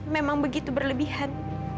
memang begitu berlebihan